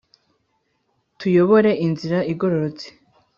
tuyobore inzira igororotse: